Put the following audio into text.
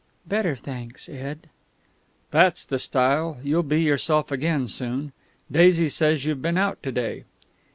"Better, thanks, Ed." "That's the style. You'll be yourself again soon. Daisy says you've been out to day?"